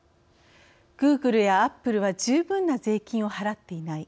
「グーグルやアップルは十分な税金を払っていない！」